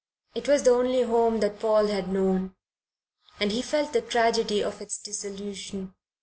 It was the only home that Paul had known, and he felt the tragedy of its dissolution.